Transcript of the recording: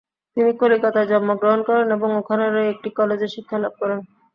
তিনি কলিকাতায় জন্মগ্রহণ করেন এবং ওখানকারই একটি কলেজে শিক্ষালাভ করেন।